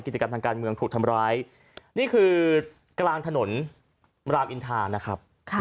กิจกรรมทางการเมืองถูกทำร้ายนี่คือกลางถนนรามอินทานะครับ